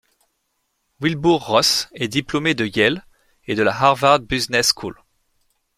Wilbur Ross est diplômé de Yale et de la Harvard Business School.